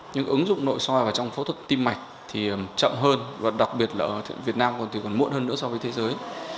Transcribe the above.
nhưng ứng dụng nội soi vào trong phẫu thuật tim mạch thì chậm hơn và đặc biệt là ở việt nam còn muộn hơn nữa so với thế giới